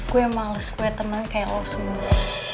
gue males punya temen kayak lo semua